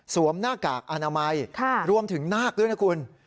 สวมหน้ากากอนามัยรวมถึงนากเลยนะคุณ